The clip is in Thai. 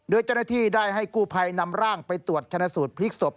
โดยเจ้าหน้าที่ได้ให้กู้ภัยนำร่างไปตรวจชนะสูตรพลิกศพ